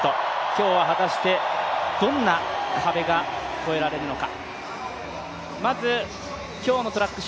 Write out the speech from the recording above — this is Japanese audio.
今日は果たしてどんな壁が超えられるのか。